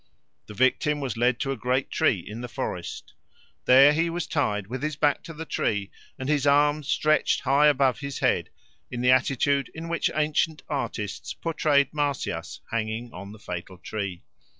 The victim was led to a great tree in the forest; there he was tied with his back to the tree and his arms stretched high above his head, in the attitude in which ancient artists portrayed Marsyas hanging on the fatal tree.